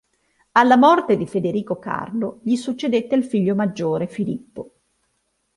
Alla morte di Federico Carlo gli succedette il figlio maggiore, Filippo.